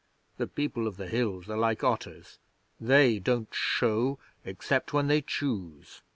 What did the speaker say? (The People of the Hills are like otters they don't show except when they choose.)